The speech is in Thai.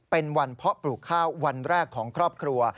เป็นวันเพาะปลูกข้าววันแรกของครอบครัว